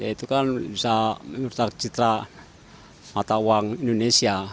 ya itu kan bisa menurut cita mata uang indonesia